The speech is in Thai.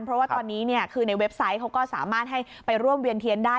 เพราะว่าตอนนี้คือในเว็บไซต์เขาก็สามารถให้ไปร่วมเวียนเทียนได้